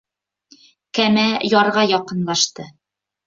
Кәмә ярға яҡынлашты.